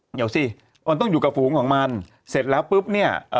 เดี๋ยวสิมันต้องอยู่กับฝูงของมันเสร็จแล้วปุ๊บเนี่ย